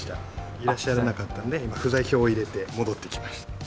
いらっしゃらなかったので、今、不在票を入れて戻ってきまし